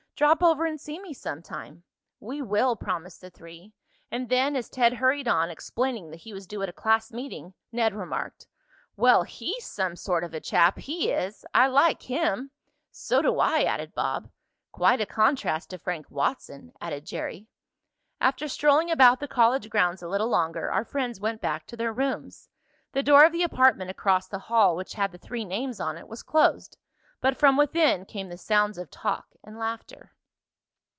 Drop over and see me some time." "We will," promised the three, and then, as Ted hurried on, explaining that he was due at a class meeting, Ned remarked: "Well, he's some sort of a chap, he is! I like him!" "So do I!" added Bob. "Quite a contrast to Frank Watson," added Jerry. After strolling about the college grounds a little longer our friends went back to their rooms. The door of the apartment across the hall, which had the three names on it, was closed, but from within came the sounds of talk and laughter.